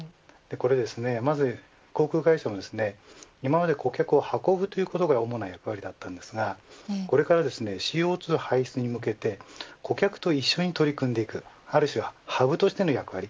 まず、航空会社が今まで顧客を運ぶということが主な役割でしたがこれからはＣＯ２排出に向けて顧客と一緒に取り組んでいくある種ハブとしての役割